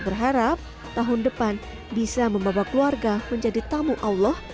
berharap tahun depan bisa membawa keluarga menjadi tamu allah